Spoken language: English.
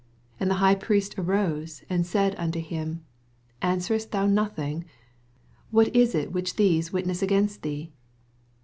62 And the High Priest arose, and said unto him. Answerest thou noth ing ? what is U which these witness against thee